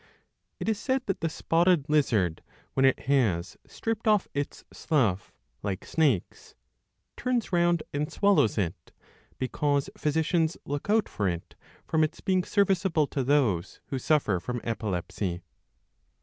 It is said that the spotted lizard, when it has stripped 66 off its slough, like snakes, turns round and swallows it, because physicians look out for it, from its being serviceable to those who suffer from epilepsy.